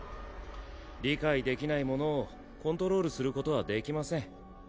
理解できないものをコントロールすることはできません。